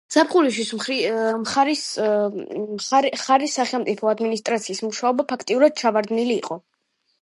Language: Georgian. ზაფხულისთვის მხარის სახელმწიფო ადმინისტრაციის მუშაობა, ფაქტობრივად, ჩავარდნილი იყო.